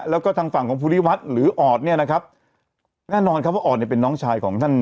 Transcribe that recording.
แล้วก็ทางฝั่งของภูริวัฒน์หรือออดเนี่ยนะครับแน่นอนครับว่าออดเนี่ยเป็นน้องชายของท่าน